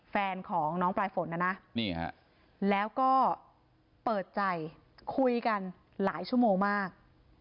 แฟนของน้องปลายฝนนะนะแล้วก็เปิดใจคุยกันหลายชั่วโมงมาก